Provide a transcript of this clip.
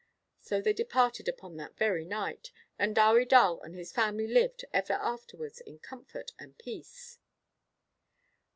So they departed upon that very night. And Dewi Dal and his family lived, ever afterwards, in comfort and peace.'